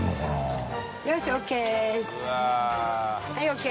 よしＯＫ！